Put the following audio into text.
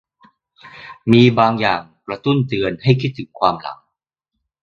มีบางอย่างกระตุ้นเตือนให้คิดถึงความหลัง